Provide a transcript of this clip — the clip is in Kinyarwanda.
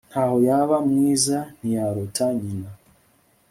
Naho yaba mwiza ntiyaruta nyina